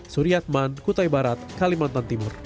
suryatman kutai barat kalimantan timur